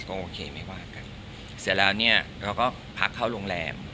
ก็โอเคไม่ว่ากันเสร็จแล้วเนี่ยเขาก็พักเข้าโรงแรม